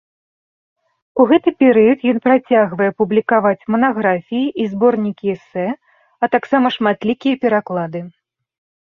У гэты перыяд ён працягвае публікаваць манаграфіі і зборнікі эсэ, а таксама шматлікія пераклады.